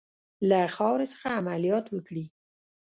له خاورې څخه عملیات وکړي.